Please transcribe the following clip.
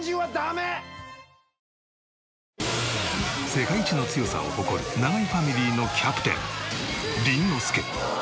世界一の強さを誇る永井ファミリーのキャプテン倫之亮。